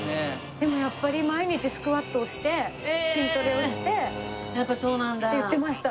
でもやっぱり毎日スクワットをして筋トレをしてって言ってました。